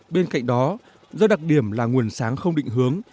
bên cạnh đó do đặc điểm là nguồn sáng không định hướng